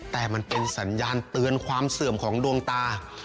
แต่มันเป็นสัญญาณเตือนความเสื่อมของดวงตา